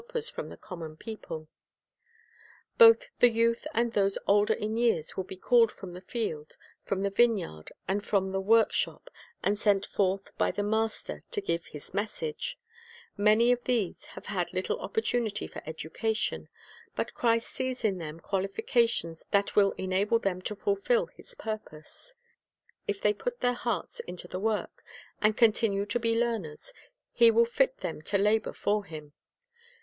Societies Foreign Missions 270 Ch a rd cter B u i Id i ng Workers from the Common People Both the youth and those older in years will be called from the field, from the vineyard, and from the work shop, and sent forth by the Master to give His message. Many of these have had little opportunity for education; but Christ sees in them qualifications that will enable them to fulfil His purpose. If they put their hearts into the work, and continue to be learners, He will fit them to labor for Him.